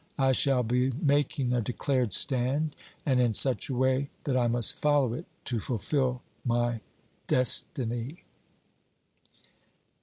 I shall be making a declared stand, and in such a way that I must follow it to fulfil my destiny.